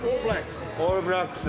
オールブラックス。